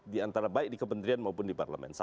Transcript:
di antara baik di kementerian maupun di parlemen